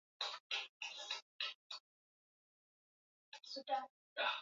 Haya ni ya lazima;